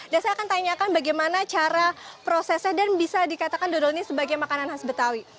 dan saya akan tanyakan bagaimana cara prosesnya dan bisa dikatakan dodo ini sebagai makanan khas betawi